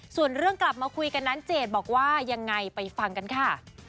ส่วนเรื่องกลับมาคุยกันนั้นเจดบอกว่ายังไงไปฟังกันค่ะ